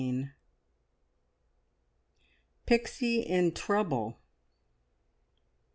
PIXIE IN TROUBLE.